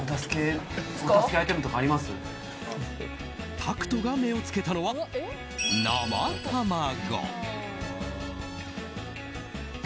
タクトが目を付けたのは生卵。